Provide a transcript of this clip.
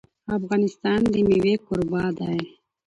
افغانستان د مېوې کوربه دی.